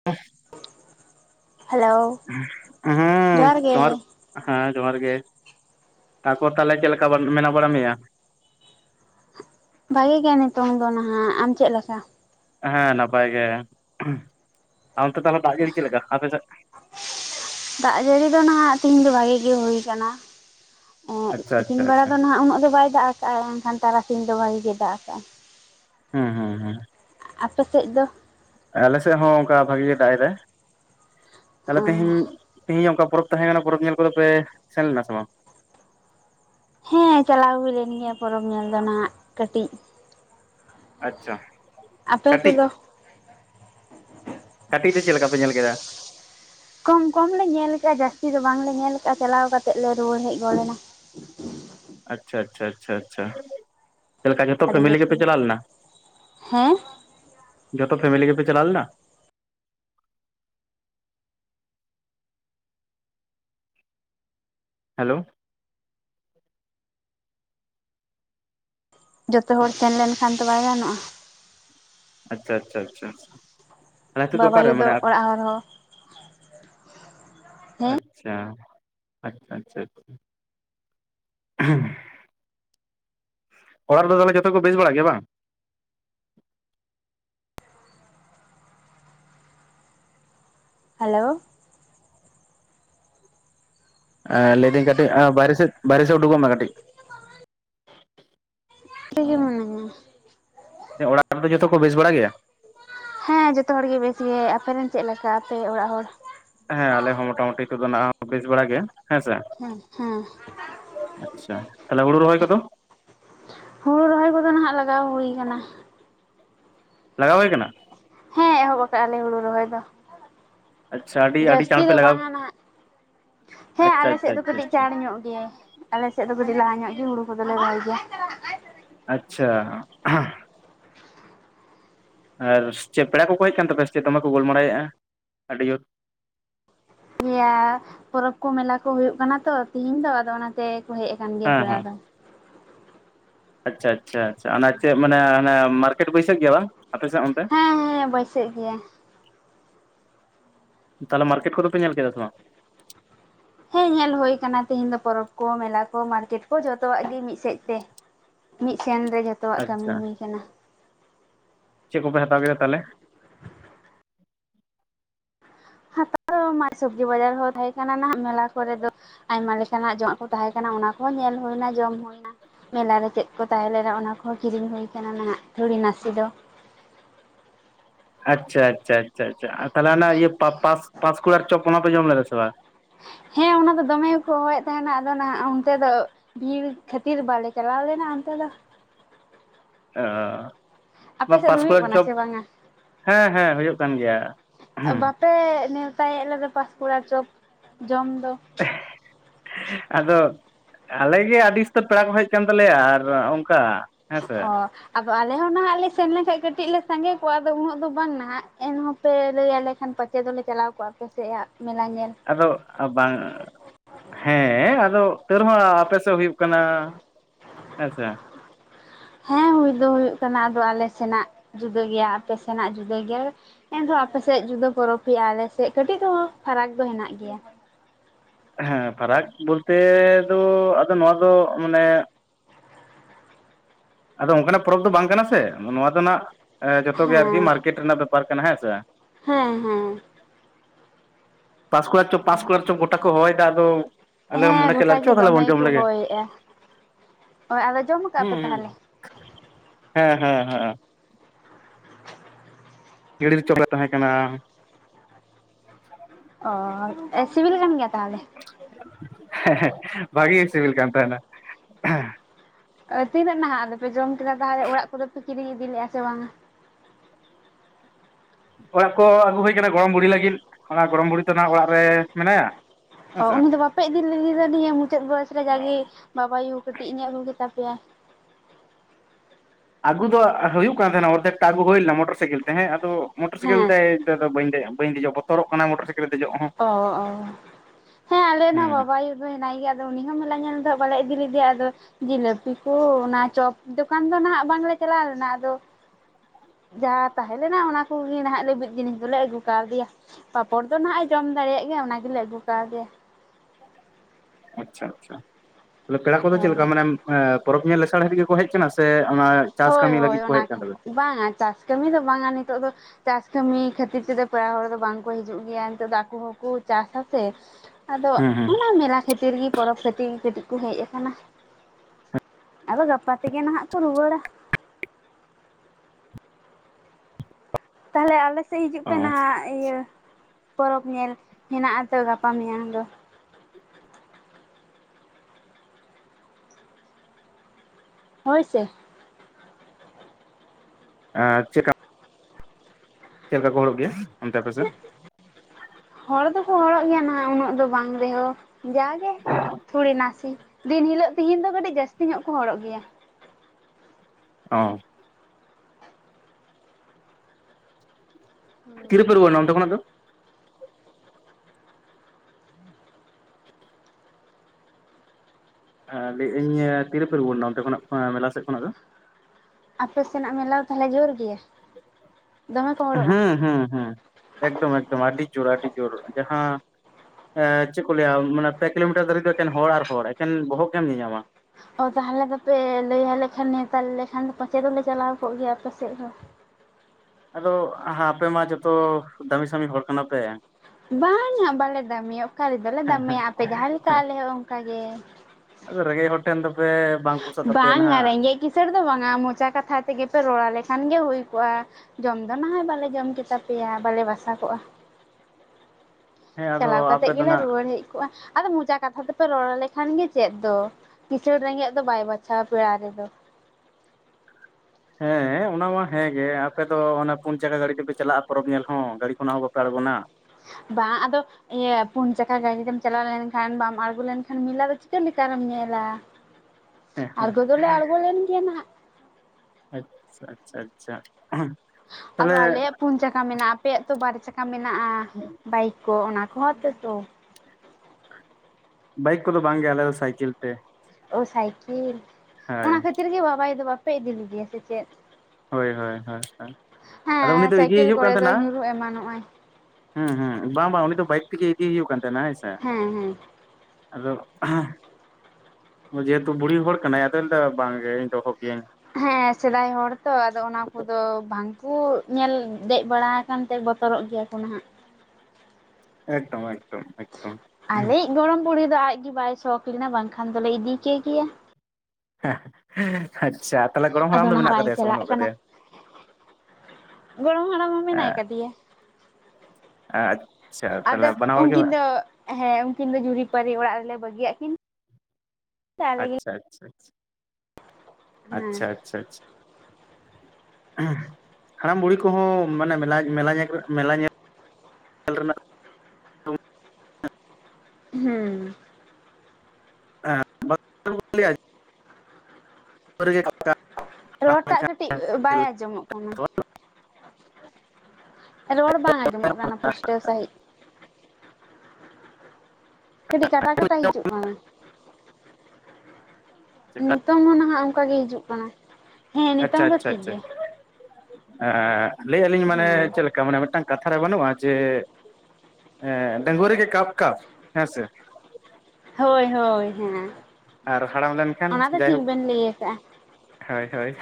[inaudible] Hello ᱦᱮᱸ ᱡᱚᱦᱟᱨ ᱜᱮ [inaudible] ᱦᱮᱸ ᱡᱚᱦᱟᱨ ᱜᱮ᱾ ᱛᱟᱯᱚᱨ ᱛᱟᱦᱚᱞᱮ ᱪᱮᱫ ᱞᱮᱠᱟ ᱢᱮᱱᱟ ᱵᱟᱲᱟ ᱢᱮᱭᱟ? ᱵᱷᱟᱹᱜᱤ ᱜᱮᱭᱟ ᱱᱤᱛᱚᱝ ᱫᱚ ᱱᱟᱦᱟᱜ ᱾ᱟᱢ ᱪᱮᱫ ᱞᱮᱠᱟ? ᱦᱮᱸ ᱱᱟᱯᱟᱭ ᱜᱮ᱾ ᱚᱱᱛᱮ ᱛᱟᱦᱚᱞᱮ ᱫᱟᱜ ᱡᱟᱹᱲᱤ ᱪᱮᱫ ᱞᱮᱠᱟ ᱟᱯᱮ ᱥᱮᱫ? ᱫᱟᱜ ᱡᱟᱹᱲᱤ ᱫᱚ ᱱᱟᱦᱟᱜ ᱛᱮᱦᱮᱧ ᱫᱚ ᱵᱷᱟᱹᱜᱤ ᱜᱮ ᱦᱩᱭ ᱟᱠᱟᱱᱟ᱾ ᱟᱪᱪᱷᱟ ᱛᱤᱠᱤᱱ ᱟᱪᱪᱷᱟ ᱵᱮᱲᱟ ᱟᱪᱪᱷᱟ ᱫᱚ ᱱᱟᱦᱟᱜ ᱩᱱᱟᱹᱜ ᱫᱚ ᱵᱟᱭ ᱫᱟᱜ ᱟᱠᱟᱜᱼᱟ ᱮᱱᱠᱷᱟᱱ ᱛᱟᱨᱟᱥᱤᱧ ᱫᱚ ᱵᱷᱟᱜᱤ ᱜᱮᱭ ᱫᱟᱜ ᱠᱟᱜᱼᱟ ᱦᱩᱸ ᱦᱩᱸ ᱦᱮᱸ ᱟᱯᱮᱥᱮᱫ ᱫᱚ ᱟᱞᱮ ᱥᱮᱫ ᱦᱚᱸ ᱚᱱᱠᱟ ᱵᱷᱟᱜᱤ ᱜᱮ ᱫᱟᱜ ᱫᱟᱭ᱾ ᱛᱟᱦᱚᱞᱮ ᱚ ᱛᱮᱦᱮᱧ ᱛᱤᱦᱤᱧ ᱚᱱᱠᱟ ᱯᱚᱨᱚᱵᱽ ᱛᱟᱦᱮᱸ ᱠᱟᱱᱟ ᱯᱚᱨᱚᱵᱽ ᱧᱮᱞ ᱠᱚᱫᱚ ᱯᱮ ᱥᱮᱱᱞ ᱞᱮᱱᱟ ᱥᱮ ᱵᱟᱝ ᱦᱮᱸ ᱪᱟᱞᱟᱣ ᱦᱩᱭ ᱞᱮᱱ ᱜᱮᱭᱟ ᱯᱚᱨᱚᱵᱽ ᱧᱮᱞ ᱫᱚ ᱱᱟ ᱦᱟᱸᱜ ᱠᱟᱹᱴᱤᱡ ᱟᱪᱪᱷᱟ ᱟᱯᱮ ᱠᱟᱹᱴᱤᱡ ᱠᱚᱫᱚ ᱠᱟᱹᱴᱤᱡ ᱛᱮ ᱪᱮᱫ ᱞᱮᱠᱟ ᱯᱮ ᱧᱮᱞ ᱠᱮᱫᱟ᱾ ᱠᱚᱢ ᱠᱚᱢ ᱞᱮ ᱧᱮᱞ ᱠᱟᱜᱼᱟ᱾ ᱡᱟᱹᱥᱛᱤ ᱫᱚ ᱵᱟᱝ ᱞᱮ ᱧᱮᱞ ᱠᱟᱜᱼᱟ᱾ᱪᱟᱞᱟᱣ ᱠᱟᱛᱮᱫ ᱞᱮ ᱨᱩᱭᱟᱹᱲ ᱦᱮᱡ ᱜᱚᱜ ᱱᱟ᱾ ᱟᱪᱪᱷᱟ ᱟᱪᱪᱷᱟ ᱟᱪᱪᱷᱟ ᱟᱪᱪᱷᱟ ᱪᱮᱫ ᱞᱮᱠᱟ ᱡᱚᱛᱚ ᱟᱹᱰᱤ ᱯᱷᱮᱢᱤᱞᱤ ᱡᱟᱹᱥᱛᱤ ᱜᱮᱯᱮ ᱫᱚ ᱪᱟᱞᱟᱣ ᱞᱮᱱᱟ᱾ ᱦᱮᱸ ᱡᱚᱛᱚ ᱯᱷᱮᱢᱤᱞᱤ ᱜᱮᱯᱮ ᱪᱟᱞᱟᱣ ᱞᱮᱱᱟ᱾ ᱦᱮᱞᱳ ᱡᱚᱛᱚ ᱦᱚᱲ ᱥᱮᱱ ᱞᱮᱱᱠᱷᱟᱱ ᱫᱚ ᱵᱟᱭ ᱜᱟᱱᱚᱜᱼᱟ ᱟᱪᱪᱷᱟ ᱟᱪᱪᱷᱟ ᱟᱪᱪᱷᱟ ᱟᱪᱷᱟ᱾ᱱᱤᱛᱚᱜ ᱫᱚ ᱛᱟᱦᱞᱮ ᱚᱠᱟᱨᱮ? ᱫᱚ ᱢᱟᱱᱮ ᱟᱨ ᱦᱚᱸ ᱦᱮᱸ ᱟᱪᱪᱷᱟ ᱟᱪᱪᱷᱟ ᱟᱪᱪᱷᱟ ᱟᱪᱪᱷᱟ ᱚᱲᱟᱜ ᱨᱮᱫᱚ ᱛᱟᱦᱚᱞᱮ ᱡᱚᱛᱚ ᱠᱚ ᱵᱮᱥ ᱵᱟᱲᱟ ᱜᱮᱭᱟ ᱵᱟᱝ? ᱦᱮᱞᱳ ᱞᱟᱹᱭ ᱫᱟᱧ ᱠᱟᱴᱤᱡ ᱵᱟᱤᱨᱮ ᱥᱮᱫ ᱩᱰᱩᱠᱩᱜ ᱢᱮ ᱠᱟᱹᱴᱤᱡ ᱱᱚᱰᱮ ᱜᱮ ᱢᱤᱱᱟᱹᱧᱟ᱾ ᱚᱲᱟᱜ ᱨᱮᱫᱚ ᱡᱚᱛᱚ ᱠᱚ ᱵᱮᱥ ᱵᱟᱲᱟ ᱜᱮᱭᱟ ᱦᱮᱸ ᱡᱚᱛᱚ ᱦᱚᱲᱜᱮ ᱵᱮᱥ ᱜᱮ ᱟᱯᱮᱨᱮᱱ ᱪᱮᱫ ᱞᱮᱠᱟ ᱟᱯᱮ ᱚᱲᱟᱜ ᱦᱚᱲ ᱦᱮᱸ ᱟᱞᱮ ᱦᱚᱸ ᱢᱚᱴᱟᱢᱩᱴᱤ ᱠᱚᱫᱚ [unintelligible] ᱦᱚᱸ ᱵᱮᱥ ᱵᱟᱲᱟ ᱜᱮ ᱦᱮᱸ ᱥᱮ ᱦᱮᱸ, ᱦᱮᱸ, ᱟᱪᱪᱷᱟ ᱛᱟᱦᱚᱞᱮ ᱦᱩᱲᱩ ᱨᱚᱦᱚᱭ ᱠᱚᱫᱚ ᱦᱩᱲᱩ ᱨᱚᱦᱚᱭ ᱠᱚᱫᱚ ᱱᱟᱦ ᱞᱟᱜᱟᱣ ᱦᱩᱭ ᱠᱟᱱᱟ ᱞᱟᱜᱟᱣ ᱦᱳᱭ ᱠᱟᱱᱟ ᱦᱮᱸ ᱮᱦᱚᱵ ᱟᱠᱟᱜ ᱟᱞᱮ ᱦᱩᱲᱩ ᱨᱚᱦᱚᱭ ᱫᱚ ᱟᱪᱪᱷᱟ ᱟᱹᱰᱤ ᱟᱹᱰᱤ ᱡᱟᱹᱥᱛᱤ ᱪᱟᱬ ᱯᱮ ᱫᱚ ᱞᱟᱜᱟᱣ ᱵᱟᱝ-ᱟ ᱱᱟᱦ ᱦᱮᱸ ᱟᱪᱪᱷᱟ ᱟᱞᱮ ᱟᱪᱪᱷᱟ ᱥᱮᱫ ᱫᱚ ᱠᱟᱹᱴᱤᱡ ᱟᱪᱪᱷᱟ ᱪᱟᱬ ᱧᱚᱜ ᱜᱮ ᱟᱞᱮ ᱥᱮᱫ [unintelligible] ᱞᱟᱦᱟ ᱧᱚᱜ ᱜᱮ ᱦᱩᱲᱩ ᱠᱚᱫᱚᱞᱮ ᱨᱚᱦᱚᱭ ᱜᱮᱭᱟ ᱟᱪᱪᱷᱟ ᱟᱨ ᱪᱮᱫ ᱯᱮᱲᱟ ᱠᱚᱠᱚ ᱦᱮᱡ ᱟᱠᱟᱱ ᱛᱟᱯᱮᱭᱟ ᱥᱮᱪᱮᱫ ᱫᱚᱢᱮ ᱠᱚ ᱜᱳᱞᱢᱟᱨᱟᱭᱮᱫᱼᱟ? ᱟᱹᱰᱤ ᱡᱳᱨ ᱭᱟ ᱯᱚᱨᱚᱵ ᱠᱚ ᱢᱮᱞᱟ ᱠᱚ ᱦᱩᱭᱩᱜ ᱠᱟᱱᱟ ᱛᱚ ᱛᱤᱦᱤᱧ ᱫᱚ ᱟᱫᱚ ᱚᱱᱟ ᱛᱮ ᱠᱚ ᱦᱮᱡ ᱟᱠᱟᱱ ᱜᱮᱭᱟ ᱦᱮᱸ ᱯᱮᱲᱟ ᱦᱮᱸ ᱫᱚ ᱟᱪᱪᱷᱟ ᱟᱪᱪᱷᱟ ᱟᱪᱷᱟ ᱚᱱᱟ ᱪᱮᱫ ᱢᱟᱱᱮᱻ [unintelligible] ᱢᱟᱨᱠᱮᱴ ᱵᱟᱹᱭᱥᱟᱹᱜ ᱜᱮᱭᱟ ᱵᱟᱝ ᱟᱯᱮᱥᱮᱫ ᱦᱮᱸ ᱦᱮᱸ ᱵᱟᱹᱭᱥᱟᱹᱜ ᱜᱮᱭᱟ ᱛᱟᱦᱞᱮ ᱢᱟᱨᱠᱮᱴ ᱠᱚᱫᱚ ᱯᱮ ᱧᱮᱞ ᱠᱮᱫᱟ ᱥᱮ ᱵᱟᱝ? ᱦᱮᱸ ᱧᱮᱞ ᱦᱳᱭ ᱠᱟᱱᱟ ᱛᱤᱦᱤᱧ ᱫᱚ ᱯᱚᱨᱚᱵ ᱠᱚ ᱢᱮᱞᱟ ᱠᱚ ᱢᱟᱨᱠᱮᱴ ᱠᱚ ᱡᱚᱛᱚᱣᱟᱜ ᱜᱮ ᱢᱤᱫ ᱥᱮᱫ ᱛᱮ, ᱢᱤᱫ ᱥᱮᱱ ᱨᱮ ᱡᱷᱚᱛᱚᱣᱟᱜ ᱠᱟᱹᱢᱤ ᱟᱪᱪᱷᱟ ᱦᱩᱭ ᱠᱟᱱᱟ ᱾ ᱪᱮᱫ ᱠᱚᱯᱮ ᱦᱟᱛᱟᱣ ᱠᱮᱫᱟ ᱛᱟᱦᱞᱮ? ᱦᱟᱛᱟᱣ ᱫᱚ ᱢᱟ ᱥᱚᱵᱡᱤ ᱵᱟᱡᱟᱨ ᱦᱚᱸ, ᱛᱟᱸᱦᱮ ᱠᱟᱱᱟ ᱱᱟᱦᱟᱜ ᱢᱮᱞᱟ ᱠᱚᱨᱮ ᱫᱚ ᱟᱭᱢᱟ ᱞᱮᱠᱟᱱᱟᱜ ᱡᱚᱢᱟᱜ ᱠᱚ ᱛᱟᱦᱮᱸ ᱠᱟᱱᱟ ᱚᱱᱟ ᱠᱚ ᱧᱮᱞ ᱦᱩᱭᱱᱟ ᱡᱚᱢ ᱦᱩᱭᱱᱟ, ᱢᱮᱞᱟ ᱨᱮ ᱪᱮᱫ ᱠᱚ ᱛᱟᱦᱮᱸ ᱞᱮᱱᱟ ᱚᱱᱟ ᱠᱚᱦᱚᱸ ᱠᱤᱨᱤᱧ ᱦᱩᱭ ᱠᱟᱱᱟ ᱱᱟᱦᱟᱜ ᱛᱷᱩᱲᱤ ᱱᱟᱥᱮ ᱫᱚ ᱾ ᱟᱪᱪᱷᱟ ᱟᱪᱪᱷᱟ ᱟᱪᱪᱷᱟ ᱟᱪᱷᱟ ᱛᱟᱦᱚᱞᱮ ᱚᱱᱟ ᱤᱭᱟᱹ ᱯᱟ ᱯᱟᱥ ᱯᱟᱥᱠᱩᱲᱟᱨ ᱪᱚᱯ ᱚᱱᱟ ᱯᱮ ᱡᱚᱢ ᱞᱮᱫᱟ ᱥᱮ ᱵᱟ? ᱦᱮᱸ ᱚᱱᱟ ᱫᱚ ᱫᱚᱢᱮ ᱜᱮᱠᱚ ᱦᱚᱦᱚᱭᱮᱫ ᱛᱟᱦᱮᱱᱟ ᱟᱫᱚ ᱱᱟᱦᱟᱜ ᱚᱱᱛᱮ ᱫᱚ ᱵᱷᱤᱲ ᱠᱷᱟᱹᱛᱤᱨ ᱵᱟᱞᱮ ᱪᱟᱞᱟᱣ ᱞᱮᱱᱟ ᱟᱱᱛᱮ ᱫᱚ ᱚ, ᱟᱯᱮ ᱵᱟ ᱥᱮᱫ ᱫᱚ ᱦᱩᱭᱩᱜ ᱯᱟᱥᱠᱩᱲᱟᱨ ᱠᱟᱱᱟ ᱪᱚᱯ, ᱥᱮ ᱵᱟᱝᱟ ᱦᱮᱸ, ᱦᱮᱸ ᱦᱳᱭᱳᱜ ᱠᱟᱱ ᱜᱮᱭᱟ᱾ ᱵᱟᱯᱮ ᱱᱮᱣᱛᱟᱭᱮᱫ ᱞᱮᱫᱮ ᱯᱟᱥᱠᱩᱲᱟᱨ ᱪᱚᱯ ᱡᱚᱢ ᱫᱚ ᱾ [unintelligible] ᱟᱫᱚ ᱟᱞᱮ ᱜᱮ ᱟᱹᱰᱤ ᱩᱥᱛᱟᱹᱨ ᱯᱮᱲᱟ ᱠᱚ ᱦᱮᱡ ᱟᱠᱟᱱ ᱛᱟᱞᱮᱭᱟ ᱟᱨ ᱚᱝᱠᱟ ᱚ, ᱟᱫᱚ ᱟᱞᱮ ᱦᱚᱸ ᱱᱟᱦᱟᱜ ᱞᱮ ᱥᱮᱱ ᱞᱮᱱᱠᱟᱱ ᱠᱷᱟᱡ ᱠᱟᱹᱴᱤᱡ ᱞᱮ ᱥᱟᱸᱜᱮ ᱠᱚᱜᱼᱟ ᱟᱫᱚ ᱩᱱᱟᱹᱜ ᱫᱚ ᱵᱟᱝ ᱱᱟᱦᱟᱜ ᱮᱱᱦᱚᱸ, ᱯᱮ ᱞᱟᱹᱭᱟᱞᱮ ᱠᱷᱟᱱ ᱯᱟᱪᱮᱫ ᱫᱚᱞᱮ ᱪᱟᱞᱟᱣ ᱠᱚᱜᱼᱟ ᱟᱯᱮ ᱥᱮᱡ-ᱟᱜ ᱢᱮᱞᱟ ᱧᱮᱞ ᱾ ᱟᱫᱚ ᱵᱟᱝ [unintelligible] ᱦᱮᱸᱻ ᱟᱫᱚ ᱛᱟᱹᱣ ᱨᱮᱦᱚ ᱟᱯᱮ ᱥᱮᱫ ᱦᱩᱭᱩᱜ ᱠᱟᱱᱟ ᱦᱮᱸ ᱥᱮ ᱾ ᱦᱮᱸ ᱦᱩᱭ ᱫᱚ ᱦᱩᱭᱩᱜ ᱠᱟᱱᱟ ᱟᱫᱚ ᱟᱞᱮ ᱥᱮᱱᱟᱜ ᱡᱩᱫᱟᱹ ᱜᱮᱭᱟ ᱟᱯᱮ ᱥᱮᱱᱟᱜ ᱡᱩᱫᱟᱹ ᱜᱮᱭᱟ ᱮᱱᱦᱚᱸ ᱟᱯᱮᱥᱮᱫ ᱡᱩᱫᱟᱹ ᱯᱚᱨᱚᱵ ᱦᱩᱭᱩᱜ-ᱟ ᱟᱞᱮᱥᱮᱫ ᱠᱟᱹᱴᱤᱡ ᱨᱮᱦᱚᱸ ᱯᱷᱟᱨᱟᱠ ᱫᱚ ᱦᱮᱱᱟᱜ ᱜᱮᱭᱟ ᱾ ᱦᱮᱸ ᱯᱷᱟᱨᱟᱠ ᱵᱚᱞ ᱛᱮᱻ ᱫᱚ ᱟᱫᱚ ᱱᱚᱣᱟ ᱫᱚ ᱢᱟᱱᱮ ᱟᱫᱚ ᱚᱱᱠᱟᱱᱟᱜ ᱯᱚᱨᱚᱵ ᱫᱚ ᱵᱟᱝ ᱠᱟᱱᱟ ᱥᱮ ᱱᱚᱣᱟ ᱫᱚ ᱱᱟᱜ ᱡᱚᱛᱚ ᱜᱮ ᱟᱨᱠᱤ ᱦᱮᱸ ᱢᱟᱨᱠᱮᱴ ᱨᱮᱱᱟᱜ ᱵᱮᱯᱟᱨ ᱠᱟᱱᱟ ᱦᱮᱸ ᱥᱮ ᱾ ᱦᱮᱸ ᱦᱮᱸ ᱯᱟᱥᱠᱩᱲᱟᱨ ᱪᱚᱯ ᱯᱟᱥᱠᱩᱲᱟᱨ ᱪᱚᱯ ᱜᱚᱴᱟ ᱠᱚ ᱦᱚᱦᱚᱭᱮᱫᱟ ᱟᱫᱚ ᱟᱞᱮ ᱞᱮ ᱦᱮᱸ ᱢᱚᱱᱮ [unintelligible] ᱪᱚ ᱜᱚᱴᱟ ᱜᱮ ᱛᱚᱦᱚᱞᱮ ᱫᱚᱢᱮ ᱟᱵᱚᱵᱚᱱ ᱡᱚᱢ ᱜᱮᱠᱚ ᱞᱮᱜᱮ, ᱦᱚᱭᱮᱜᱼᱟ ᱦᱳᱭ ᱟᱫᱚ ᱡᱚᱢ ᱠᱟᱜᱼᱟ ᱦᱩᱸ ᱯᱮ ᱦᱩᱸ ᱛᱟᱦᱚᱞᱮ ᱦᱮᱸ ᱦᱮᱸ ᱦᱮᱸ ᱜᱤᱲᱤᱨ ᱪᱚᱫᱟ ᱛᱟᱦᱮᱸ ᱠᱟᱱᱟ ᱚᱻ ᱥᱤᱵᱤᱞ ᱠᱟᱱ ᱜᱮᱭᱟ ᱛᱟᱦᱚᱞᱮ? ᱦᱮᱸ, ᱦᱮᱸ, ᱵᱷᱟᱜᱮ ᱜᱮ ᱥᱮᱵᱮᱞ ᱠᱟᱱ ᱛᱟᱸᱦᱮ-ᱱᱟ᱾ ᱛᱤᱱᱟᱹᱜ ᱱᱟᱦᱟᱜ ᱟᱫᱚ ᱯᱮ ᱡᱚᱢ ᱠᱮᱫᱟ ᱛᱟᱦᱚᱞᱮ ᱚᱲᱟᱜ ᱠᱚᱫᱚ ᱯᱮ ᱠᱤᱨᱤᱧ ᱤᱫᱤ ᱞᱮᱫᱼᱟ, ᱥᱮ ᱵᱟᱝ-ᱟ? ᱚᱲᱟᱜ ᱠᱚ ᱟᱹᱜᱩ ᱦᱩᱭ ᱠᱟᱱᱟ ᱜᱚᱲᱚᱢ ᱵᱩᱲᱦᱤ ᱞᱟᱹᱜᱤᱫ ᱚᱱᱟ ᱜᱚᱲᱚᱢ ᱵᱩᱲᱦᱤᱚ ᱛᱚ ᱱᱟᱜ ᱚᱲᱟᱜ ᱨᱮ ᱢᱮᱱᱟᱭᱟ ᱾ ᱚ ᱩᱱᱤ ᱫᱚ ᱵᱟᱯᱮ ᱤᱫᱤ ᱞᱮᱫᱮ ᱫᱚ ᱱᱤᱭᱟᱹ ᱢᱩᱪᱟᱹᱫ ᱵᱚᱭᱚᱥ ᱨᱮ ᱡᱟᱜᱮ ᱵᱟᱵᱟᱭᱩ ᱠᱟᱹᱴᱤᱡ [unintelligible] ᱟᱹᱜᱩ ᱠᱮᱛᱟ ᱯᱮᱭᱟ ᱾ ᱟᱹᱜᱩ ᱫᱚ ᱦᱩᱭᱩᱜ ᱠᱟᱱ ᱛᱟᱦᱮᱸᱱᱟ ᱚᱨᱫᱷᱮᱠ ᱴᱟ ᱟᱜᱩ ᱦᱩᱭ ᱞᱮᱱᱟ ᱢᱚᱴᱚᱨ ᱥᱟᱭᱠᱮᱞ ᱛᱮ ᱦᱮᱸ ᱟᱫᱚ ᱢᱚᱴᱚᱨ ᱥᱟᱭᱠᱮᱞ ᱦᱮᱸ ᱛᱮ ᱴᱷᱮᱡ ᱫᱚ ᱵᱟᱹᱧ ᱫᱮᱡ-ᱟ, ᱵᱟᱹᱧ ᱫᱮᱡᱚᱜᱼᱟ, ᱵᱚᱛᱚᱨᱚᱜ ᱠᱟᱱᱟᱭ ᱢᱚᱴᱚᱨ ᱥᱟᱭᱠ ᱚ ᱚ ᱦᱮᱸ ᱟᱞᱮ ᱱᱟ ᱦᱮᱸ ᱵᱟᱵᱟᱭᱩ ᱫᱚ ᱦᱮᱱᱟᱭ ᱜᱮᱭᱟ ᱟᱫᱚ ᱩᱱᱤ ᱦᱚᱸ ᱢᱮᱞᱟ ᱧᱮᱞ ᱫᱚ ᱦᱟᱜ ᱵᱟᱞᱮ ᱤᱫᱤ ᱞᱮᱫᱮᱭᱟ ᱟᱫᱚ ᱡᱤᱞᱟᱹᱯᱤ ᱠᱚ ᱚᱱᱟ ᱪᱚᱯ ᱫᱚᱠᱟᱱ ᱫᱚ ᱱᱟ-ᱦᱟᱜ ᱵᱟᱝᱞᱮ ᱪᱟᱞᱟᱣ ᱞᱮᱱᱟ ᱟᱫᱚ, ᱡᱟᱦᱟᱸ ᱛᱟᱦᱮᱸᱞᱮᱱᱟ ᱚᱱᱟ ᱠᱚᱜᱮ ᱱᱟᱦᱟᱜ ᱞᱟᱹᱵᱤᱫ ᱡᱤᱱᱤᱥ ᱴ ᱫᱚᱞᱮ ᱟᱹᱜᱩ ᱠᱟᱣᱫᱮᱭᱟ ᱯᱟᱯᱚᱲ ᱫᱚ ᱱᱟᱦᱟᱜ ᱮ ᱡᱚᱢ ᱫᱟᱲᱮᱭᱟᱜ ᱜᱮᱭᱟ ᱚᱱᱟᱱᱟᱜᱮᱞᱮ ᱟᱹᱜᱩ ᱠᱟᱫᱮᱭᱟ ᱟᱪᱪᱷᱟ ᱟᱪᱪᱷᱟ ᱛᱟᱦᱞᱮ ᱯᱮᱲᱟ ᱠᱚᱫᱚ ᱦᱳᱭ ᱪᱮᱫᱞᱮᱠᱟ ᱢᱟᱱᱮᱢ ᱯᱚᱨᱚᱵᱽ ᱧᱮᱞ ᱞᱮᱟᱥᱟᱲᱦᱮᱫ ᱛᱮᱜᱮ ᱠᱚ ᱦᱮᱡ ᱟᱠᱟᱱᱟ ᱥᱮ ᱚᱱᱟ ᱪᱟᱥ ᱦᱳᱭ ᱠᱟᱹᱢᱤ ᱦᱳᱭ ᱞᱟᱹᱜᱤᱫ ᱠᱚ ᱚᱱᱟ ᱦᱮᱡ ᱟᱠ ᱛᱟᱯᱮᱭᱟ? ᱵᱟᱝ-ᱟ ᱪᱟᱥ ᱠᱟᱹᱢᱤ ᱫᱚ ᱵᱟᱝ-ᱟ ᱱᱤᱛᱚᱜ ᱫᱚ ᱪᱟᱥ ᱠᱟᱹᱢᱤ ᱠᱷᱟᱹᱛᱤᱨ ᱛᱮᱫᱚ ᱯᱮᱲᱟ ᱦᱚᱲ ᱫᱚ ᱵᱟᱝᱠᱚ ᱦᱤᱡᱩᱜ ᱜᱮᱭᱟ ᱱᱤᱛᱚᱜ ᱫᱚ ᱟᱠᱚ ᱦᱚᱸᱠᱚ ᱪᱟᱥ ᱟᱥᱮ, ᱟᱫᱚ ᱦᱮᱸ ᱦᱮᱸ ᱚᱱᱟ ᱢᱮᱞᱟ ᱠᱷᱟᱹᱛᱤᱨ ᱜᱮ ᱯᱚᱨᱚᱵᱽ ᱠᱷᱟᱛᱤᱨ ᱠᱟᱹᱴᱤᱡ ᱠᱚ ᱦᱮᱡ ᱟᱠᱟᱱᱟ ᱟᱫᱚ ᱜᱟᱯᱟ ᱛᱮᱜᱮ ᱱᱟᱦᱟᱜ ᱠᱚ ᱨᱩᱣᱟᱹᱲᱟ ᱾ ᱛᱟᱦᱞᱮ ᱟᱞᱮ ᱥᱮᱫ ᱦᱤᱡᱩᱜ ᱚ ᱯᱮ ᱱᱟᱦᱟᱜ ᱤᱭᱟᱹ ᱯᱚᱨᱚᱵᱽ ᱧᱮᱞ ᱦᱮᱱᱟᱜ-ᱟ ᱛᱚ ᱜᱟᱯᱟ ᱢᱮᱭᱟᱝ ᱫᱚ, ᱦᱳᱭ ᱥᱮ ᱾ ᱟᱨ ᱪᱮᱫᱠᱟ ᱪᱮᱫ ᱞᱮᱠᱟ ᱠᱚ ᱦᱚᱲᱜ ᱜᱮᱭᱟ ᱚᱱᱛᱮ ᱟᱯᱮᱥᱮᱫ? ᱦᱚᱲ ᱫᱚᱠᱚ ᱦᱚᱲᱚᱜ ᱜᱮᱭᱟ ᱱᱟᱦᱟᱜ ᱩᱱᱟᱹᱜ ᱫᱚ ᱵᱟᱝ ᱨᱮᱦᱚᱸ ᱾ ᱡᱟᱜᱮ ᱛᱷᱩᱲᱤ ᱱᱟᱥᱤ ᱫᱤᱱ ᱦᱤᱞᱳᱜ ᱛᱤᱦᱤᱧ ᱫᱚ ᱠᱟᱹᱴᱤᱡ ᱡᱟᱹᱥᱛᱤ ᱧᱚᱜ ᱠᱚ ᱦᱚᱲᱚᱜ ᱜᱮᱭᱟ ᱾ ᱚ, ᱛᱤᱨᱮ ᱯᱮ ᱨᱩᱭᱟᱲ ᱮᱱᱟ ᱚᱱᱛᱮ ᱠᱷᱚᱱᱟᱜ ᱫᱚ? ᱦᱮᱸ ᱞᱟᱹᱭᱮᱫᱟᱹᱧ ᱛᱤᱨᱮᱯᱮ ᱨᱜᱟᱹᱲᱱᱟ ᱚᱱᱛᱮ ᱠᱷᱚᱱᱟᱜ ᱢᱮᱞᱟ ᱥᱮᱫ ᱠᱷᱚᱱᱟᱜ ᱫᱚ? ᱟᱯᱮ ᱥᱮᱱᱟᱜ ᱢᱮᱞᱟ ᱫᱚ ᱛᱟᱦᱚᱞᱮ ᱡᱷᱳᱨ ᱜᱮᱭᱟ? ᱫᱚᱢᱮ ᱠᱚ ᱦᱚᱲᱚᱜᱼᱟ ᱦᱮᱸ ᱦᱮᱸ ᱦᱮᱸ ᱮᱠᱫᱚᱢ ᱮᱠᱫᱚᱢ ᱟᱹᱰᱤ ᱡᱳᱨ ᱟᱹᱰᱤ ᱡᱳᱨ ᱡᱟᱦᱟᱸ ᱮᱸ ᱪᱮᱫ ᱠᱚ ᱞᱟᱹᱭᱟ ᱢᱟᱱᱮ ᱯᱮ ᱠᱤᱞᱳᱢᱤᱴᱟᱨ ᱫᱷᱟᱨᱤᱡ ᱫᱚ ᱮᱠᱮᱱ ᱦᱚᱲ ᱟᱨ ᱦᱚᱲ ᱮᱠᱮᱱ ᱵᱚᱦᱚᱜ ᱜᱮᱢ ᱧᱮᱧᱟᱢᱟ ᱚ ᱛᱟᱦᱞᱮ ᱫᱚᱯᱮ ᱞᱟᱹᱭᱟᱞᱮ ᱠᱷᱟᱱ ᱱᱮᱣᱛᱟ ᱞᱮᱠᱷᱟᱱ ᱯᱟᱪᱮ ᱫᱚᱞᱮ ᱪᱟᱞᱟᱣ ᱠᱚᱜ ᱜᱮᱭᱟ ᱟᱯᱮ ᱥᱮᱫ ᱫᱚ ᱟᱫᱚ ᱟᱯᱮ ᱢᱟ ᱡᱚᱛᱚ ᱫᱟᱹᱢᱤᱻᱥᱟᱢᱤ ᱦᱚᱲ ᱠᱟᱱᱟ ᱯᱮ ᱵᱟᱝ-ᱟ ᱵᱟᱞᱮ ᱫᱟᱢᱤᱭᱟ ᱚᱠᱟ ᱨᱮ ᱫᱚ ᱞᱮ ᱫᱟᱢᱤᱭᱟ ᱟᱯᱮ ᱡᱟᱦᱟᱸ ᱞᱮᱠᱟ ᱟᱞᱮ ᱦᱚᱸ ᱚᱱᱠᱟᱟᱜ ᱜᱮ ᱟᱫᱚ ᱨᱮᱸᱜᱮᱡ ᱦᱚᱲ ᱴᱮᱱ ᱫᱚ ᱯᱮ ᱵᱟᱝᱼᱟ ᱨᱮᱸᱜᱮᱡ ᱠᱤᱥᱟᱬ ᱫᱚ ᱵᱟᱝᱟ ᱢᱚᱪᱟ ᱠᱟᱛᱷᱟ ᱛᱮᱜᱮ ᱯᱮ ᱨᱚᱲ ᱟᱞᱮᱠᱷᱟᱱ ᱜᱮ ᱦᱩᱭ ᱠᱚᱜᱼᱟ ᱡᱚᱢ ᱫᱚ ᱱᱟᱦᱟᱭ ᱵᱟᱞᱮ ᱡᱚᱢ ᱠᱮᱛᱟ ᱯᱮᱭᱟ ᱵᱟᱞᱮ ᱵᱟᱥᱟ ᱠᱚᱜᱼᱟ ᱦᱮᱸ ᱟᱫᱚ ᱪᱟᱞᱟᱣ ᱟᱯᱮ ᱠᱟᱛᱮᱜ ᱫᱚ ᱜᱮᱞᱮ ᱱᱟᱜ ᱨᱩᱣᱟᱹᱲ ᱦᱮᱡ ᱠᱚᱜᱼᱟ ᱟᱫᱚ ᱢᱟᱪᱟ ᱠᱟᱛᱷᱟ ᱛᱮᱯᱮ ᱨᱚᱲ ᱟᱞᱮᱠᱷᱟᱱ ᱜᱮ ᱪᱮᱫ ᱫᱚ ᱠᱤᱥᱟᱹᱬ ᱨᱮᱸᱜᱮᱡ ᱫᱚ ᱵᱟᱭ ᱵᱟᱪᱷᱟᱣᱟ ᱯᱮᱲᱟ ᱨᱮᱫᱚ ᱦᱮᱸ ᱚᱱᱟ ᱢᱟ ᱦᱮᱸ ᱜᱮ ᱟᱯᱮ ᱫᱚ ᱚᱱᱟ ᱯᱩᱱ ᱪᱟᱠᱟ ᱜᱟᱹᱰᱤ ᱛᱮᱯᱮ ᱪᱟᱞᱟᱜᱼᱟ ᱯᱚᱨᱚᱵᱽ ᱧᱮᱞ ᱦᱚᱸ ᱜᱟᱹᱲᱤ ᱠᱷᱚᱱᱟᱜ ᱦᱚᱸ ᱵᱟᱯᱮ ᱟᱬᱜᱚᱱᱟ ᱵᱟᱝ ᱟᱫᱚ ᱤᱭᱟᱹ ᱯᱩᱱ ᱪᱟᱠᱟ ᱜᱟᱹᱰᱤ ᱛᱮᱢ ᱪᱟᱞᱟᱣ ᱞᱮᱱᱠᱷᱟᱱ ᱵᱟᱢ ᱟᱬᱜᱚ ᱞᱮᱱᱠᱷᱟᱱ ᱢᱮᱞᱟ ᱫᱚ ᱪᱤᱠᱟᱹᱞᱮᱠᱟ ᱨᱮᱢ ᱧᱮᱞᱟ ᱦᱮᱸ ᱦᱮᱸ ᱟᱲᱜᱚ ᱫᱚᱞᱮ ᱟᱲᱜᱚ ᱞᱮᱱ ᱜᱮᱭᱟ ᱱᱟᱦᱟᱜ ᱟᱪᱪᱷᱟ ᱟᱪᱪᱷᱟ ᱟᱪᱪᱷᱟ ᱟᱫᱚ ᱛᱟᱦᱞᱮ ᱟᱞᱮᱭᱟᱜ ᱯᱩᱱ ᱪᱟᱠᱟ ᱢᱮᱱᱟᱜᱼᱟ ᱟᱯᱮᱭᱟᱜ ᱛᱚ ᱵᱟᱨ ᱪᱟᱠᱟ ᱢᱮᱱᱟᱜᱼᱟ ᱦᱮᱸ [inaudible] ᱵᱟᱭᱤᱠ ᱠᱚ ᱚᱱᱟ ᱠᱚᱦᱚᱸ ᱛᱮ-ᱛᱚ ᱵᱟᱭᱤᱠ ᱠᱚᱫᱚ ᱵᱟᱝ ᱜᱮ ᱟᱞᱮ ᱫᱚ ᱥᱟᱭᱠᱤᱞ ᱛᱮ ᱚ ᱥᱟᱭᱠᱤᱞ ᱦᱳᱭ ᱚᱱᱟ ᱠᱷᱟᱹᱛᱤᱨ ᱜᱮ ᱵᱟᱵᱟ ᱟᱭᱩ ᱫᱚ ᱵᱟᱯᱮ ᱤᱫᱤ ᱞᱮᱫᱮᱭᱟ ᱥᱮ ᱪᱮᱫ ᱦᱳᱭ ᱦᱳᱭ ᱦᱳᱭ ᱟᱫᱚ ᱩᱱᱤ ᱦᱮᱸ ᱫᱚ ᱤᱫᱤᱭᱮ ᱥᱟᱭᱠᱮᱞ ᱦᱩᱭᱩᱜ ᱠᱟᱱ ᱠᱚᱨᱮ ᱫᱚ ᱛᱟᱦᱮᱱᱟ ᱧᱩᱨᱩᱜ ᱮᱢᱟᱱᱚᱜᱼᱟᱭ ᱦᱩᱸ ᱦᱩᱸ ᱵᱟᱝ ᱵᱟᱝ ᱩᱱᱤ ᱫᱚ ᱵᱟᱭᱤᱠ ᱛᱤᱜᱤ ᱤᱫᱤᱭᱮ ᱦᱩᱭᱩᱜ ᱠᱟᱱ ᱛᱟᱦᱮᱱᱟ ᱦᱮᱸ ᱦᱮᱸ ᱟᱫᱚ ᱡᱮᱦᱮᱛᱩ ᱵᱩᱲᱦᱤ ᱦᱚᱲ ᱠᱟᱱᱟᱭ ᱟᱫᱚᱭ ᱞᱮᱭ ᱫᱟ ᱵᱟᱝ ᱜᱮ ᱤᱧ ᱫᱚ ᱦᱚ ᱠᱤᱭᱟᱹᱧ ᱦᱮᱸ ᱥᱮᱫᱟᱭ ᱦᱚᱲ ᱛᱚ ᱟᱫᱚ ᱚᱱᱟ ᱠᱚᱫᱚ ᱵᱷᱟᱝ ᱠᱚ [unintelligible] ᱧᱮᱞ ᱫᱮᱡ ᱵᱟᱲᱟ ᱟᱠᱟᱱ ᱛᱮ ᱵᱚᱛᱚᱨᱚᱜ ᱜᱮᱭᱟ ᱠᱚ ᱱᱟᱦᱟᱜ ᱮᱠᱫᱚᱢ ᱮᱠᱫᱚᱢ ᱮᱠᱫᱚᱢ ᱟᱞᱮᱤᱡ ᱜᱚᱲᱚᱢ ᱵᱩᱲᱦᱤ ᱫᱚ ᱟᱡᱜᱤ ᱵᱟᱭ ᱥᱚᱠ ᱞᱮᱱᱟ ᱵᱟᱝᱠᱷᱟᱱ ᱫᱚᱞᱮ ᱤᱫᱤ ᱠᱮ ᱜᱮᱭᱟ ᱟᱪᱪᱷᱟ ᱛᱟᱞᱮ ᱜᱚᱲᱚᱢ ᱟᱫᱚ ᱦᱟᱲᱟᱢ ᱫᱚ ᱱᱟᱦᱟᱜ ᱢᱮᱱᱟᱜ ᱵᱟᱭ ᱠᱟᱫᱮᱭᱟ ᱥᱮ ᱪᱟᱞᱟᱜ ᱵᱟᱹᱱᱩᱜ ᱠᱟᱱᱟ ᱠᱟᱫᱮᱭᱟ ᱜᱚᱲᱚᱢ ᱦᱟᱲᱟᱢ ᱢᱟ ᱢᱮᱱᱟᱭ ᱠᱟᱫᱮᱭᱟ ᱟᱪᱪᱷᱟ ᱛᱟᱦᱚᱞᱮ ᱟᱫᱚ ᱵᱟᱱᱟ ᱦᱚᱲ ᱜᱮ ᱩᱱᱠᱤᱱ ᱫᱚ ᱦᱮᱸ ᱩᱱᱠᱤᱱ ᱫᱚ ᱡᱩᱨᱤᱯᱟᱹᱨᱤ ᱚᱲᱟᱜ ᱨᱮᱞᱮ ᱵᱟᱹᱜᱤᱭᱟᱜ ᱠᱤᱱ ᱟᱞᱮ ᱜᱮ ᱟᱪᱪᱷᱟ ᱟᱪᱪᱷᱟ ᱦᱮᱸ ᱟᱪᱪᱷᱟ ᱟᱪᱪᱷᱟ ᱟᱪᱪᱷᱟ ᱦᱟᱲᱟᱢ ᱵᱩᱲᱦᱤ ᱠᱚᱦᱚᱸ ᱢᱟᱱᱮ ᱢᱮᱞᱟ ᱧᱮᱞ ᱢᱮᱞᱟ ᱧᱮᱞ ᱛᱚᱞ ᱨᱮᱱᱟᱜ ᱦᱩᱸ [unintelligible] ᱨᱚᱲᱴᱟᱜ ᱠᱟᱹᱴᱤᱡ ᱵᱟᱭ ᱟᱸᱡᱚᱢᱚᱜ ᱠᱟᱱᱟ ᱨᱚᱲ ᱵᱟᱝ ᱟᱸᱡᱚᱢᱚᱜ ᱠᱟᱱᱟ ᱯᱩᱥᱴᱟᱹᱣ ᱥᱟᱦᱤᱡ ᱠᱟᱹᱴᱤᱡ ᱠᱟᱴᱟ ᱠᱟᱴᱟ ᱦᱤᱡᱩᱜᱼᱠᱟᱱᱟ ᱱᱤᱛᱚᱝ ᱦᱚᱸ ᱱᱟᱦᱟᱜ ᱚᱱᱠᱟᱜ ᱜᱮ ᱦᱤᱡᱩᱜ ᱠᱟᱱᱟ ᱦᱮᱸ ᱟᱪᱪᱷᱟ ᱱᱤᱛᱚᱝ ᱫᱚ ᱟᱪᱪᱷᱟ ᱴᱷᱤᱠ ᱟᱪᱷᱟ ᱜᱮᱭᱟ ᱮᱸ ᱞᱟᱹᱭ ᱟᱞᱤᱧ ᱢᱟᱱᱮ ᱦᱮᱸ ᱪᱮᱜ ᱞᱮᱠᱟ ᱢᱟᱱᱮ ᱢᱤᱫᱴᱟᱝ ᱠᱟᱛᱷᱟ ᱨᱮ ᱵᱟᱹᱱᱩᱜᱼᱟ ᱡᱮ ᱮᱸ ᱰᱟᱹᱜᱩᱣᱟᱹ ᱨᱮᱜᱮ ᱠᱟᱯ ᱠᱟᱯ ᱦᱮᱸ ᱥᱮ ᱦᱳᱭ ᱦᱳᱭ ᱦᱮᱸ ᱟᱨ ᱦᱟᱲᱟᱢ ᱞᱮᱱᱠᱷᱟᱱ ᱚᱱᱟ ᱫᱚ ᱴᱷᱤᱠ ᱡᱟᱭᱦᱳᱠ ᱵᱮᱱ ᱞᱟᱹᱭ ᱠᱟᱜᱼᱟ ᱦᱳᱭ ᱦᱳᱭ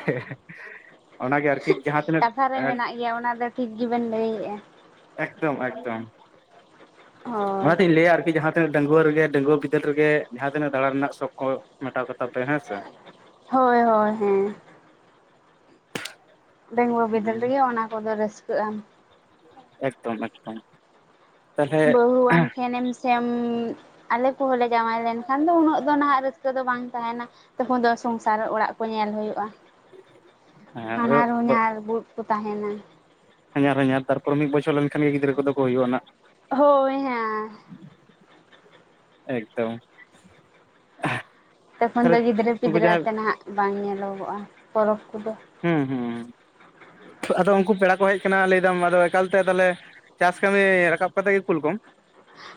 ᱚᱱᱟᱜᱮ ᱟᱨᱠᱤ ᱡᱟᱦᱟᱸ ᱛᱤᱱᱟᱹᱜ ᱠᱟᱛᱷᱟ ᱨᱮ ᱢᱮᱱᱟᱜ ᱜᱮᱭᱟ ᱚᱱᱟ ᱫᱚ ᱴᱷᱤᱠ ᱜᱮᱵᱮᱱ ᱞᱟᱹᱭᱮᱜᱼᱟ ᱮᱠᱫᱚᱢ ᱮᱠᱫᱚᱢ ᱦᱳᱭ ᱚᱱᱟᱛᱤᱧ ᱞᱟᱹᱭᱟ ᱟᱨᱠᱤ ᱡᱟᱦᱟᱸ ᱛᱤᱱᱟᱹᱜ ᱰᱟᱹᱜᱩᱣᱟᱹ ᱨᱮᱜᱮ ᱰᱟᱹᱜᱩᱣᱟᱹ ᱵᱤᱫᱟᱹᱞ ᱨᱮᱜᱮ ᱡᱟᱦᱟᱸ ᱛᱤᱱᱟᱹᱜ ᱫᱟᱲᱟᱱ ᱨᱮᱱᱟᱜ ᱥᱚᱠ ᱠᱚ ᱢᱮᱴᱟᱣ ᱠᱟᱛᱟ ᱯᱮ ᱦᱮᱸ ᱥᱮ ᱦᱳᱭ ᱦᱳᱭ ᱦᱮᱸ ᱰᱟᱹᱜᱩᱣᱟᱹ ᱵᱤᱫᱟᱹᱞ ᱨᱮᱜᱮ ᱚᱱᱟ ᱠᱚᱫᱚ ᱨᱟᱹᱥᱠᱟᱹᱜᱼᱟ ᱟᱢ ᱮᱠᱫᱚᱢ ᱮᱠᱫᱚᱢ ᱛᱟᱦᱚᱞᱮ ᱵᱟᱹᱦᱩ ᱟᱱ ᱴᱷᱮᱱᱮᱢ ᱥᱮᱢ ᱟᱞᱮ ᱠᱚᱦᱚᱸ ᱞᱮ ᱡᱟᱶᱟᱭ ᱞᱮᱱ ᱛᱚᱠᱷᱟᱱ ᱫᱚ ᱩᱱᱟᱹᱜ ᱫᱚ ᱱᱟᱦᱟᱜ ᱨᱟᱹᱥᱠᱟᱹ ᱫᱚ ᱵᱟᱝ ᱛᱟᱦᱮᱱᱟ ᱛᱚᱠᱷᱚᱱ ᱫᱚ ᱥᱚᱝᱥᱟᱨ ᱚᱲᱟᱜ ᱠᱚ ᱧᱮᱞ ᱦᱩᱭᱩᱜᱼᱟ᱾ ᱦᱮᱸ ᱟᱫᱚ ᱦᱟᱱᱟᱨ ᱦᱩᱧᱟᱨ ᱵᱩᱜᱤ ᱠᱚ ᱛᱟᱦᱮᱱᱟ᱾ ᱦᱟᱧᱟᱨ ᱦᱩᱧᱟᱨ ᱛᱟᱨᱯᱚᱨᱮ ᱢᱤᱫ ᱵᱚᱪᱷᱚᱨ ᱞᱮᱱᱠᱷᱟᱱ ᱜᱮ ᱜᱤᱫᱽᱨᱟᱹ ᱠᱚᱫᱚ ᱠᱚ ᱦᱩᱭᱩᱜᱼᱟ ᱦᱟᱸᱱᱟᱜ᱾ ᱦᱳᱭ ᱦᱮᱸ᱾ ᱮᱠᱫᱚᱢ ᱛᱚᱠᱷᱚᱱ ᱛᱟᱦᱚᱞᱮ ᱫᱚ ᱜᱤᱫᱽᱨᱟᱹ ᱩᱱᱠᱩ ᱯᱤᱫᱽᱨᱟᱹ ᱡᱟᱦᱟᱸᱭ ᱟᱛᱮ ᱱᱟᱦᱟᱜ ᱵᱟᱝ ᱧᱮᱞᱚᱜᱚᱜᱼᱟ ᱯᱚᱨᱚᱵᱽ ᱠᱚᱫᱚ᱾ ᱦᱩᱸ ᱦᱩᱸ ᱟᱫᱚ ᱩᱱᱠᱩ ᱯᱮᱲᱟ ᱠᱚ ᱦᱮᱡ ᱟᱠᱟᱱᱟ ᱞᱟᱹᱭᱫᱟᱢ ᱟᱫᱚ ᱮᱠᱟᱞᱛᱮ ᱛᱟᱞᱮ ᱪᱟᱥ ᱠᱟᱹᱢᱤ ᱨᱟᱠᱟᱵ ᱠᱟᱛᱮᱫ ᱜᱮ ᱠᱩᱞ ᱠᱚᱢ᱾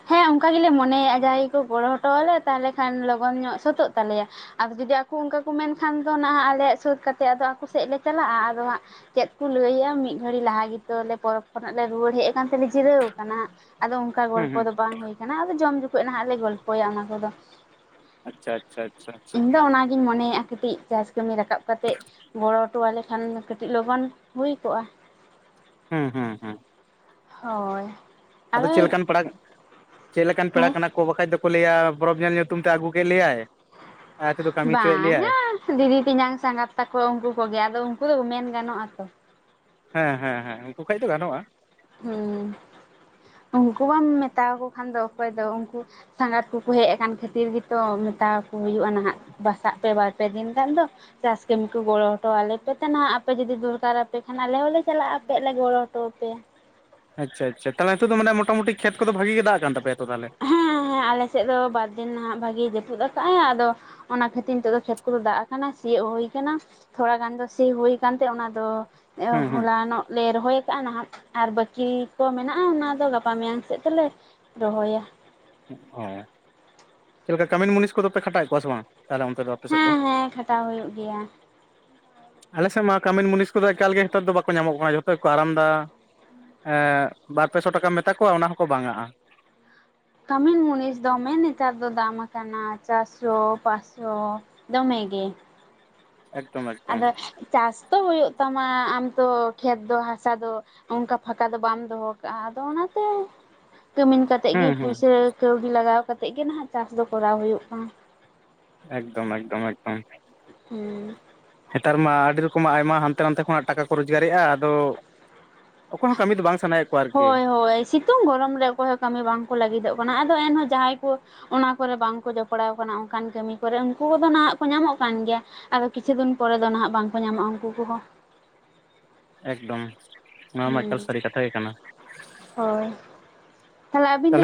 ᱦᱮᱸ ᱚᱱᱠᱟ ᱜᱮᱞᱮ ᱢᱚᱱᱮᱭᱟ ᱡᱟᱦᱟᱸᱭ ᱠᱚ ᱜᱚᱲᱚ ᱦᱚᱴᱚᱣᱟᱞᱮ ᱛᱟᱦᱞᱮ ᱠᱷᱟᱱ ᱞᱚᱜᱚᱱ ᱧᱚᱜ ᱥᱟᱹᱛᱳᱜ ᱛᱟᱞᱮᱭᱟ᱾ ᱟᱫᱚ ᱡᱩᱫᱤ ᱟᱠᱚ ᱚᱱᱠᱟ ᱠᱚ ᱢᱮᱱᱠᱷᱟᱱ ᱫᱚ ᱱᱟᱸᱦᱟᱜ ᱟᱞᱮᱭᱟᱜ ᱥᱟᱹᱛ ᱠᱟᱛᱮᱫ ᱟᱫᱚ ᱟᱠᱚ ᱥᱮᱫ ᱞᱮ ᱪᱟᱞᱟᱜᱼᱟ ᱟᱫᱚ ᱦᱟᱸᱜ᱾ ᱪᱮᱫ ᱠᱚ ᱞᱟᱹᱭᱟ ᱢᱤᱫ ᱜᱷᱟᱹᱲᱤᱡ ᱞᱟᱦᱟ ᱜᱮᱛᱚ ᱞᱮ ᱯᱚᱨᱚᱵ ᱠᱷᱚᱱᱟᱜ ᱞᱮ ᱨᱩᱣᱟᱹᱲ ᱦᱮᱡ ᱠᱟᱱ ᱛᱮᱞᱮ ᱡᱤᱨᱟᱹᱣ ᱠᱟᱱᱟ ᱟᱫᱚ ᱚᱝᱠᱟ ᱜᱚᱞ ᱦᱩᱸ ᱦᱩᱸ ᱵᱟᱝ ᱦᱩᱭ ᱠᱟᱱᱟ ᱟᱫᱚ ᱡᱚᱢ ᱡᱚᱠᱷᱚᱡ ᱱᱟᱦᱟᱜ ᱞᱮ ᱜᱚᱞᱯᱚᱭᱟ ᱚᱱᱟ ᱠᱚᱫᱚ᱾ ᱟᱪᱪᱷᱟ ᱟᱪᱪᱷᱟ ᱟᱪᱪᱷᱟ ᱟᱪᱪᱷᱟ ᱤᱧ ᱫᱚ ᱚᱱᱟᱜᱤᱧ ᱢᱚᱱᱮᱭᱮᱜᱼᱟ ᱠᱟᱹᱴᱤᱡ, ᱪᱟᱥ ᱠᱟᱹᱢᱤ ᱨᱟᱠᱟᱵ ᱠᱟᱛᱮᱜ ᱜᱚᱲᱚ ᱦᱚᱴᱚᱣᱟᱞᱮ ᱠᱷᱟᱱ ᱠᱟᱹᱴᱤᱡ ᱞᱚᱜᱚᱱ ᱦᱩᱭ ᱠᱚᱜᱼᱟ᱾ ᱦᱩᱸ ᱦᱩᱜ ᱦᱳᱭ ᱟᱫᱚ ᱪᱮᱜ ᱞᱮᱠᱟᱱ ᱯᱮᱲᱟ ᱪᱮᱫ ᱞᱮᱠᱟᱱ ᱯᱮᱲᱟ ᱦᱮᱸ ᱠᱟᱱᱟ ᱠᱚ ᱵᱟᱠᱷᱟᱡ ᱫᱚᱠᱚ ᱞᱟᱹᱭᱟ ᱵᱚᱨᱚᱯ ᱧᱮᱞ ᱧᱩᱛᱩᱢ ᱛᱮ ᱟᱹᱜᱩ ᱠᱮᱜ ᱞᱮᱭᱟᱭ, ᱟᱡ ᱛᱮᱫᱚ ᱠᱟᱹᱢᱤ ᱦᱚᱪᱚᱭᱮᱫ ᱞᱮᱭᱟᱭ ᱵᱟᱝᱼᱟ ᱫᱤᱫᱤ ᱛᱮᱧᱟᱝ ᱥᱟᱸᱜᱟᱛ ᱛᱟᱠᱚ ᱩᱱᱠᱩ ᱠᱚᱜᱮ ᱟᱫᱚ ᱩᱱᱠᱩ ᱫᱚ ᱢᱮᱱ ᱜᱟᱱᱚᱜᱼᱟ ᱛᱚ᱾ ᱦᱮᱸ ᱦᱮᱸ ᱦᱮᱸ ᱩᱱᱠᱩ ᱠᱷᱚᱡ ᱫᱚ ᱜᱟᱱᱚᱜᱼᱟ᱾ ᱦᱩᱸ ᱩᱱᱠᱩ ᱵᱟᱢ ᱢᱮᱛᱟᱠᱚ ᱠᱷᱟᱱ ᱫᱚ ᱚᱠᱚᱭ ᱫᱚ ᱩᱱᱠᱩ ᱥᱟᱸᱜᱟᱛ ᱠᱚᱠᱚ ᱦᱮᱡ ᱟᱠᱟᱱ ᱠᱷᱟᱹᱛᱤᱨ ᱜᱮᱛᱚ ᱢᱮᱛᱟ ᱟᱠᱩ ᱦᱩᱭᱩᱜᱼᱟ ᱱᱟᱦᱟᱜ᱾ ᱵᱟᱥᱟᱜ ᱯᱮ ᱵᱟᱨᱯᱮ ᱫᱤᱱ ᱜᱟᱱ ᱫᱚ, ᱪᱟᱥ ᱠᱟᱹᱢᱤ ᱠᱚ ᱜᱚᱲᱚ ᱦᱚᱴᱚᱣᱟᱞᱮ ᱯᱮ ᱱᱟᱦᱟᱜ ᱟᱯᱮ ᱡᱩᱫᱤ ᱫᱚᱨᱠᱟ ᱨᱟᱯᱮ ᱠᱷᱟᱱ ᱟᱞᱮ ᱦᱚᱸᱞᱮ ᱪᱟᱞᱟᱜᱼᱟ ᱟᱯᱮᱭᱟᱜ ᱞᱮ ᱜᱚᱲᱚ ᱦᱚᱴᱚ ᱟᱯᱮᱭᱟ᱾ ᱟᱪᱪᱷᱟ ᱟᱪᱷᱟ ᱛᱟᱞᱮ ᱱᱤᱛᱚᱜ ᱢᱟᱱᱮ ᱢᱚᱴᱟᱢᱩᱴᱤ ᱠᱷᱮᱛ ᱠᱚ ᱵᱷᱟᱹᱜᱤ ᱜᱮ ᱫᱟᱜ ᱠᱟᱱ ᱛᱟᱯᱮ ᱛᱚ ᱛᱟᱞᱮ? ᱦᱮᱸ ᱦᱮᱸ ᱟᱞᱮᱥᱮᱫ ᱫᱚ ᱵᱟᱨᱫᱤᱱ ᱱᱟᱦᱟᱜ ᱵᱷᱟᱜᱮ ᱡᱟᱹᱯᱩᱫ ᱟᱠᱟᱫᱟᱭ ᱟᱫᱚ ᱚᱱᱟ ᱠᱷᱟᱹᱛᱤᱨ ᱱᱤᱛᱚᱜ ᱫᱚ ᱠᱷᱮᱛ ᱠᱚᱫᱚ ᱫᱟᱜ ᱟᱠᱟᱱᱟ ᱥᱤᱭᱜ ᱦᱩᱭ ᱟᱠᱟᱱᱟ, ᱛᱷᱚᱲᱟ ᱜᱟᱱ ᱫᱚ ᱥᱤ ᱦᱳᱭ ᱟᱠᱟᱱᱛᱮ ᱚᱱᱟ ᱫᱚ ᱦᱩᱸ ᱦᱩᱸ ᱦᱚᱞᱟᱱᱚᱜ ᱞᱮ ᱨᱚᱦᱚᱭ ᱟᱠᱟᱟᱜᱼᱟ ᱱᱟᱦᱟᱜ᱾ ᱟᱨ ᱵᱟᱹᱠᱤ ᱠᱚ ᱢᱮᱱᱟᱜᱼᱟ ᱚᱱᱟ ᱫᱚ ᱜᱟᱯᱟ ᱢᱮᱭᱟᱝ ᱥᱮᱫ ᱛᱮᱞᱮ ᱨᱚᱦᱚᱭᱟ᱾ ᱚ ᱪᱮᱫ ᱞᱮᱠᱟ ᱠᱟᱹᱢᱤᱱ ᱢᱩᱱᱤᱥ ᱠᱚᱫᱚ ᱯᱮ ᱠᱷᱟᱴᱟᱣᱮᱫ ᱠᱚᱣᱟ ᱥᱮ ᱵᱟᱝ ᱛᱟᱦᱚᱞᱮ ᱚᱱᱛᱮ ᱫᱚ? ᱟᱯᱮ ᱥᱮᱫ ᱫᱚ ᱦᱮᱸ ᱦᱮᱸ ᱠᱷᱟᱴᱟᱣ ᱦᱩᱭᱩᱜ ᱜᱮᱭᱟ᱾ ᱟᱞᱮᱥᱮᱫ ᱢᱟ ᱠᱟᱹᱢᱤᱱ ᱢᱩᱱᱤᱥ ᱠᱚᱫᱚ ᱮᱠᱟᱞᱜᱮ ᱱᱮᱛᱚᱜ ᱫᱚ ᱵᱟᱝᱠᱚ ᱧᱟᱢᱚᱜ ᱠᱟᱱᱟ ᱡᱷᱚᱛᱚ ᱜᱮ ᱠᱚ ᱟᱨᱟᱢ ᱫᱟ᱾ ᱦᱮ ᱵᱟᱨ ᱯᱮ ᱥᱚ ᱴᱟᱠᱟᱢ ᱢᱮᱛᱟ ᱠᱚᱣᱟ ᱚᱱᱟ ᱦᱚᱸᱠᱚ ᱵᱟᱝᱟᱜᱼᱟ᱾ ᱠᱟᱹᱢᱤᱱ ᱢᱩᱱᱤᱥ ᱫᱚᱢᱮ ᱱᱮᱛᱟᱨ ᱫᱚ ᱫᱟᱢ ᱟᱠᱟᱱᱟ ᱪᱟᱨᱥᱚ ᱯᱟᱪᱥᱚ᱾ ᱫᱚᱢᱮ ᱜᱮ ᱮᱠᱫᱚᱢ ᱮᱠᱫᱚᱢ ᱟᱫᱚ ᱪᱟᱥ ᱛᱚ ᱦᱩᱭᱩᱜ ᱛᱟᱢᱟ ᱟᱢ ᱛᱚ ᱠᱷᱮᱛ ᱫᱚ ᱦᱟᱥᱟ ᱫᱚ, ᱚᱱᱠᱟ ᱯᱷᱟᱸᱠᱟ ᱫᱚ ᱵᱟᱢ ᱫᱚᱦᱚ ᱠᱟᱜᱼᱟ ᱟᱫᱚ ᱚᱱᱟᱛᱮ ᱠᱟᱹᱢᱤᱱ ᱠᱟᱛᱮᱜ ᱜᱮ ᱦᱮᱸ ᱦᱮᱸ ᱯᱩᱭᱥᱟᱹ ᱠᱟᱹᱣᱰᱤ ᱞᱟᱜᱟᱣ ᱠᱟᱛᱮᱫ ᱜᱮ ᱱᱟᱦᱟᱜ ᱪᱟᱥ ᱫᱚ ᱠᱚᱨᱟᱣ ᱦᱩᱭᱩᱜ ᱠᱟᱱᱟ᱾ ᱮᱠᱫᱚᱢ ᱮᱠᱫᱚᱢ ᱮᱠᱫᱚᱢ᱾ ᱦᱩᱸ ᱱᱮᱛᱟᱨ ᱢᱟ ᱟᱹᱰᱤ ᱨᱚᱠᱚᱢᱟᱜ ᱟᱭᱢᱟ ᱦᱟᱱᱛᱮ ᱱᱟᱛᱮ ᱠᱷᱚᱱᱟᱜ ᱴᱟᱠᱟ ᱠᱚ ᱨᱳᱡᱽᱜᱟᱨᱮᱜᱼᱟ ᱟᱫᱚ ᱚᱠᱚ ᱦᱚᱸ ᱠᱟᱹᱢᱤ ᱫᱚ ᱵᱟᱝ ᱥᱟᱱᱟᱭᱮᱫ ᱠᱚᱣᱟ ᱟᱨᱠᱤ ᱦᱳᱭᱻ ᱥᱤᱛᱩᱝ ᱜᱚᱨᱚᱢ ᱨᱮ ᱚᱠᱚᱭ ᱦᱚᱸ ᱠᱟᱹᱢᱤ ᱵᱟᱝᱠᱚ ᱞᱟᱹᱜᱤᱫᱚᱜ ᱠᱟᱱᱟ ᱟᱫᱚ ᱮᱱᱦᱚᱸ ᱡᱟᱦᱟᱸᱭ ᱠᱚ, ᱚᱱᱟ ᱠᱚᱨᱮ ᱵᱟᱝᱠᱚ ᱡᱚᱯᱲᱟᱣ ᱠᱟᱱᱟ ᱚᱱᱠᱟᱱ ᱠᱟᱹᱢᱤ ᱠᱚᱨᱮᱜ ᱩᱱᱠᱩ ᱠᱚᱫᱚ ᱱᱟᱦᱟᱜ ᱠᱚ ᱧᱟᱢᱚᱜ ᱠᱟᱱ ᱜᱮᱭᱟ᱾ ᱟᱫᱚ ᱠᱤᱪᱷᱩ ᱫᱤᱱ ᱯᱚᱨᱮ ᱫᱚ ᱱᱟᱦᱟᱜ ᱵᱟᱝᱠᱚ ᱧᱟᱢᱚᱜᱼᱟ ᱩᱱᱠᱩ ᱠᱚᱦᱚᱸ᱾ ᱮᱠᱫᱚᱢ ᱱᱚᱣᱟ ᱢᱟ ᱦᱩᱸ ᱮᱠᱟᱞ ᱥᱟᱹᱨᱤ ᱠᱟᱛᱷᱟ ᱜᱮ ᱠᱟᱱᱟ᱾ ᱦᱳᱭ ᱛᱟᱦᱚᱞᱮ ᱟᱹᱵᱤᱱ ᱫᱚ ᱪᱮᱫ